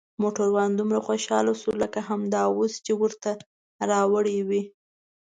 موټروان دومره خوشحاله شو لکه همدا اوس چې ورته راوړي وي.